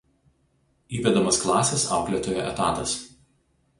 įvedamas klasės auklėtojo etatas